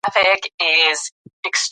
وخت په تېرېدو شات هم خرابیږي.